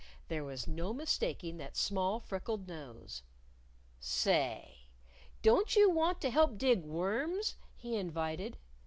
There was no mistaking that small freckled nose. "Say! Don't you want to help dig worms?" he invited.